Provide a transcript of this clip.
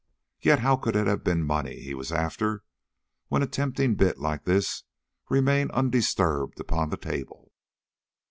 Yet how could it have been money he was after, when a tempting bit like this remained undisturbed upon the table?"